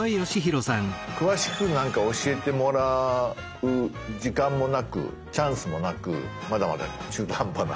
詳しくなんか教えてもらう時間もなくチャンスもなくまだまだ中途半端な。